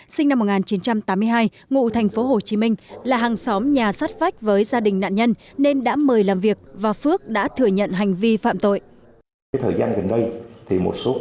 sinh năm một nghìn chín trăm tám mươi hai ngụ tp hcm là hàng xóm nhà sát vách với gia đình nạn nhân nên đã mời làm việc và phước đã thừa nhận hành vi phạm tội